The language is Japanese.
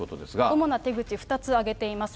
主な手口、２つ挙げています。